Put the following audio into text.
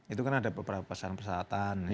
itu kan ada beberapa pesanan persahatan